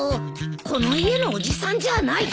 この家のおじさんじゃない！